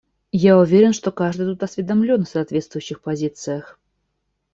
Я уверен, что каждый тут осведомлен о соответствующих позициях.